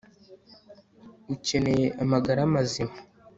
Ukeneye amagara mazima